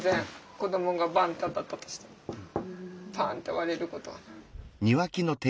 子どもがバンッて当たったとしてもパンッて割れることはない。